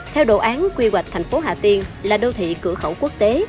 theo đồ án quy hoạch thành phố hà tiên là đô thị cửa khẩu quốc tế